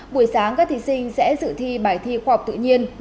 buổi sáng các thí sinh sẽ dự thi bài thi khoảng tự nhiên